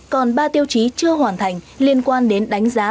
còn ba tiêu chí chưa hoàn thành liên quan đến đánh giá